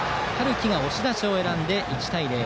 稀が押し出しを選んで１対０。